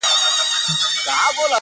په ټولۍ د ګیدړانو کي غښتلی -